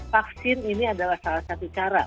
vaksin ini adalah salah satu cara